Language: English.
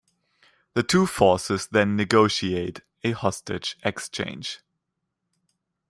The two forces then negotiate a hostage exchange.